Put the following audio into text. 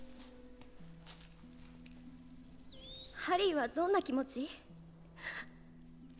ハリーはどんな気持ち？